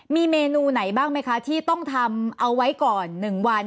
มีเมนูไหนบ้างไหมคะที่ต้องทำเอาไว้ก่อน๑วัน